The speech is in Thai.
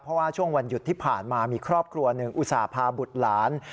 เพราะว่าช่วงวันหยุดที่ผ่านมามีครอบครัวหนึ่งอุตส่าห์พาบุตรหลาน